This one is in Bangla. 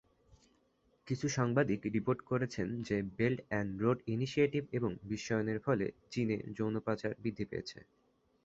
কিছু সাংবাদিক রিপোর্ট করেছেন যে বেল্ট অ্যান্ড রোড ইনিশিয়েটিভ এবং বিশ্বায়নের ফলে চীনে যৌন পাচার বৃদ্ধি পেয়েছে।